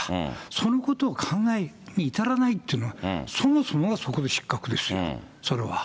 そのことを考えに至らないっていうのは、そもそもはそこが失格ですよ、それは。